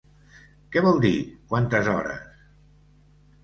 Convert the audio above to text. ¿Què vol dir, quantes hores?